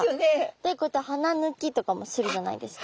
でこうやって鼻抜きとかもするじゃないですか。